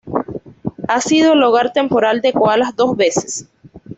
Ha sido el hogar temporal de koalas dos veces.